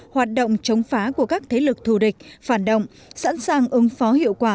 hoạt động chống phá của các thế lực thù địch phản động sẵn sàng ứng phó hiệu quả